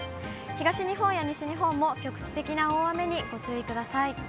東日本や西日本も局地的な大雨にご注意ください。